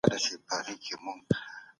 د خویند احساس د هر کلتور غوره والی دی.